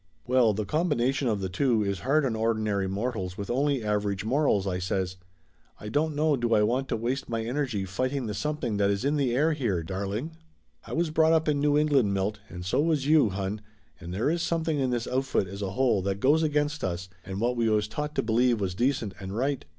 "Well, the combination of the two is hard on ordin ary mortals with only average morals," I says. "I don't know do I want to waste my energy fighting the something that is in the air here, darling. I was brought up in New England, Milt, and so was you, hon, and there is something in this outfit as a whole that goes against us, and what we was taught to believe was decent and right."